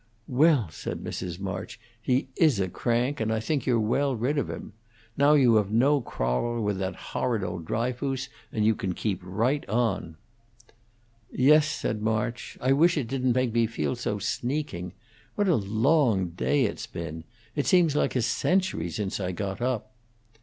"Well," said Mrs. March. "He is a crank, and I think you're well rid of him. Now you have no quarrel with that horrid old Dryfoos, and you can keep right on." "Yes," said March, "I wish it didn't make me feel so sneaking. What a long day it's been! It seems like a century since I got up."